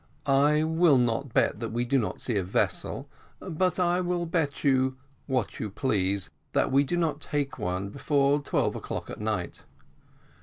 "I will not bet that we do not see a vessel but I'll bet you what you please, that we do not take one before twelve o'clock at night."